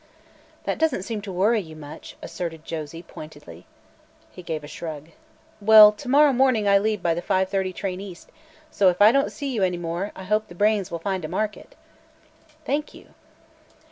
"That doesn't seem to worry you much," asserted Josie, pointedly. He gave a shrug. "Well, to morrow morning I leave by the 5:30 train east, so if I don't see you any more, I hope the brains will find a market." "Thank you."